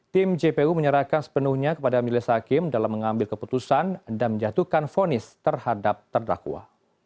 tim jpu menyerahkan sepenuhnya kepada milis hakim dalam mengambil keputusan dan menjatuhkan fonis terhadap terdakwa